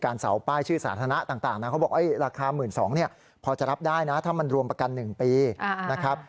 การเสามีป้ายชื่อสาธารณะต่างนะว่าราคา๑๒๐๐๐บาทเนี่ยพอจะรับได้นะถ้ามันรวมประกันหนึ่งปีนะครับ